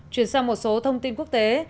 chuyển sang một số thông tin quốc tế